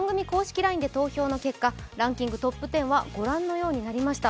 ＬＩＮＥで投票の結果、ランキングＴＯＰ１０はご覧のようになりました。